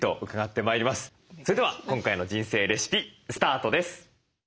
それでは今回の「人生レシピ」スタートです。